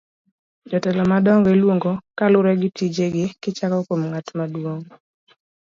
jotelo madongo iluongo kaluwore gi tije gi kichako kuom ng'at maduong'